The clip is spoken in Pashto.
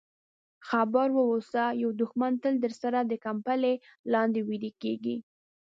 خبر واوسه یو دښمن تل درسره د کمپلې لاندې ویده کېږي.